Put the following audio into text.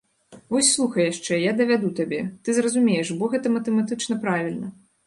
Вось слухай яшчэ, я давяду табе, ты зразумееш, бо гэта матэматычна правільна.